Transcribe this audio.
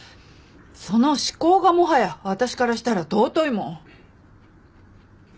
その思考がもはや私からしたら尊いもん。